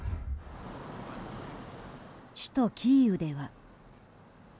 首都キーウでは。